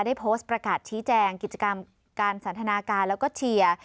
ได้โพสต์ประกาศชี้แจงกิจกรรมการสันทนาการแล้วก็เชียร์